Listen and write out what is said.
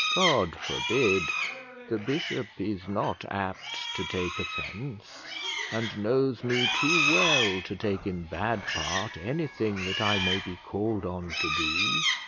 "God forbid! The bishop is not apt to take offence, and knows me too well to take in bad part anything that I may be called on to do."